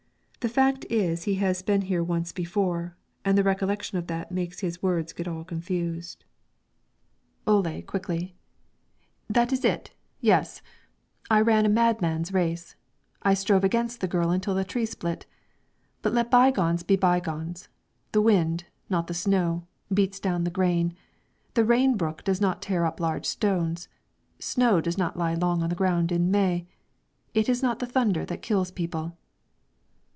The fact is he has been here once before, and the recollection of that makes his words get all confused." Ole, quickly: "That is it, yes; I ran a madman's race. I strove against the girl until the tree split. But let by gones be by gones; the wind, not the snow, beats down the grain; the rain brook does not tear up large stones; snow does not lie long on the ground in May; it is not the thunder that kills people."